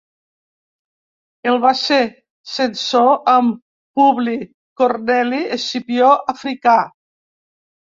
El va ser censor amb Publi Corneli Escipió Africà.